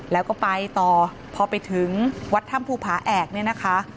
แล้วก็ไปต่อพอไปถึงวัดถ้ำภูผาแอกเนี่ยนะคะ